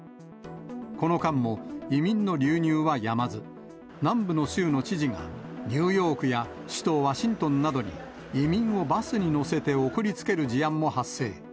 この間も移民の流入はやまず、南部の州の知事がニューヨークや首都ワシントンなどに、移民をバスに乗せて送りつける事案も発生。